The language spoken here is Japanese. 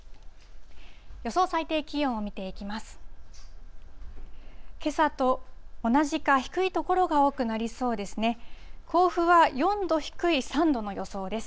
予想最低気温を見ていきます。